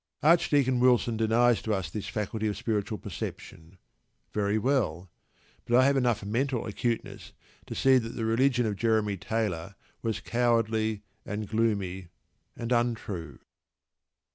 Archdeacon Wilson denies to us this faculty of spiritual perception. Very well. But I have enough mental acuteness to see that the religion of Jeremy Taylor was cowardly, and gloomy, and untrue.